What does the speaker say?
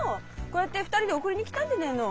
こやって２人で送りに来たんでねえの。